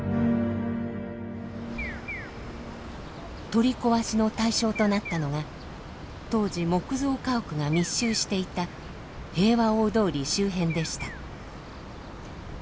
取り壊しの対象となったのが当時木造家屋が密集していた平和大通り周辺でした。